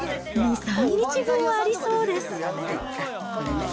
２、３日分はありそうです。